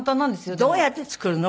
どうやって作るの？